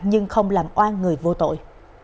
nhưng không làm oan người vô tội